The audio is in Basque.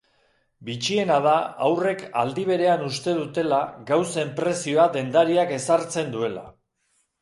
Bitxiena da haurrek aldi berean uste dutela gauzen prezioa dendariak ezartzen duela.